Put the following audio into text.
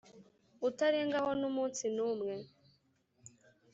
utarengaho n’umunsi n’umwe,